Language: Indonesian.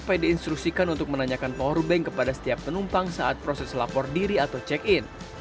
diinstruksikan untuk menanyakan powerbank kepada setiap penumpang saat proses lapor diri atau check in